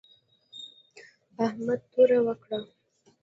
احمد توره وکړه